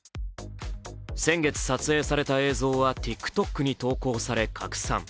先月撮影された映像はＴｉｋＴｏｋに投稿され拡散。